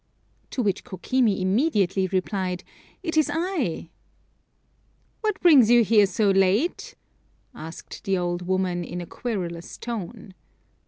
To which Kokimi immediately replied, "It is I!" "What brings you here so late?" asked the old woman, in a querulous tone.